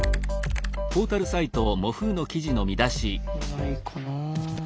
ないかな。